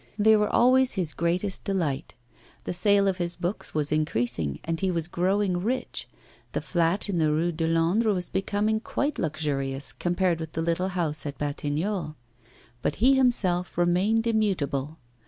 They were always his greatest delight. The sale of his books was increasing, and he was growing rich; the flat in the Rue de Londres was becoming quite luxurious compared with the little house at Batignolles; but he himself remained immutable.